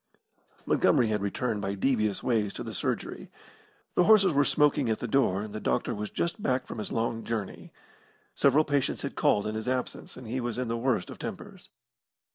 Montgomery had returned by devious ways to the surgery. The horses were smoking at the door, and the doctor was just back from his long journey. Several patients had called in his absence, and he was in the worst of tempers.